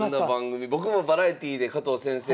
僕もバラエティーで加藤先生